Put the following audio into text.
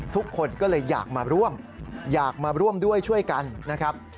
ทุกคนก็เลยอยากมาร่วมอยากมาร่วมด้วยช่วยกันนะครับ